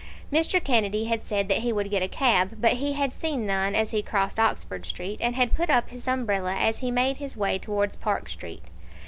Mr. Kennedy had said that he would get a cab, but he had seen none as he crossed Oxford Street, and had put up his umbrella as he made his way towards Park Street.